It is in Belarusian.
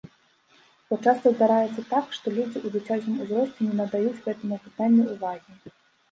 Бо часта здараецца так, што людзі ў дзіцячым узросце не надаюць гэтаму пытанню ўвагі.